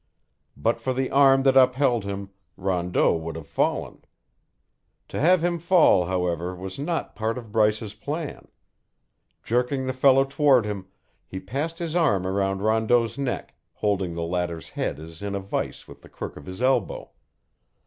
But for the arm that upheld him, Rondeau would have fallen. To have him fall, however, was not part of Bryce's plan. Jerking the fellow toward him, he passed his arm around Rondeau's neck, holding the latter's head as in a vise with the crook of his elbow.